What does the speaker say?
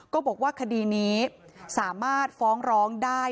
ก็บอกว่าคดีนี้สามารถฟ้องร้องได้